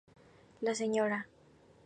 La "Sra.